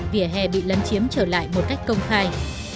vỉa hè bị lấn chiếm trở lại một cách công khai